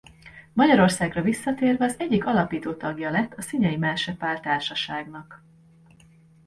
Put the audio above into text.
Magyarországra visszatérve egyik alapító tagja lett a Szinyei Merse Pál Társaságnak.